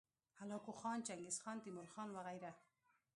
هلاکو خان، چنګیزخان، تیمورخان وغیره